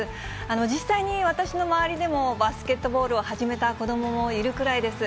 実際に私の周りでもバスケットボールを始めた子どももいるくらいです。